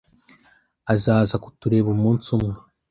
Azaza kutureba umunsi umwe.